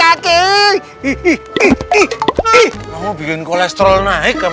amalia rosalinda titik menikmut butan lolok anak babe sulung gunung sluyorum une pinter yang luis presiden